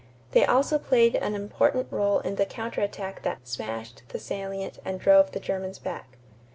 They also played an important rôle in the counter attack that "smashed" the salient and drove the Germans back.